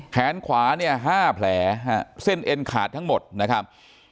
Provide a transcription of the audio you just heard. แขนขวาเนี่ย๕แผลเส้นเอ็นขาดทั้งหมดนะครับ